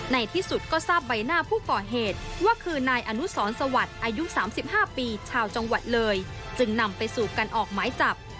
ในที่สุดก็ทราบใบหน้าผู้ก่อเหตุว่าคือนายอนุสรสวัสดิ์อายุ๓๕ปีชาวจังหวัดเลยจึงนำไปสู่การออกหมายจับ